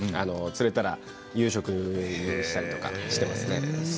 釣れたら夕食にしたりとかしていますね。